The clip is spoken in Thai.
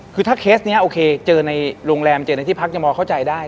คือถ้าเคสนี้โอเคเจอในโรงแรมเจอในที่พักจะมอเข้าใจได้